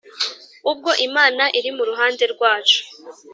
Ubwo Imana iri mu ruhande rwacu,